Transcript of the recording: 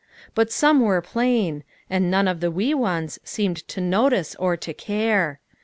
But some were plain ; and none of the wee ones seemed to notice or to care.